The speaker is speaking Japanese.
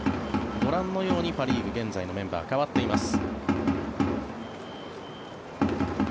ご覧のようにパ・リーグ現在のメンバー変わっています。